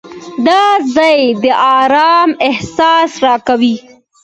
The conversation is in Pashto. دا ځای د آرام احساس راکوي.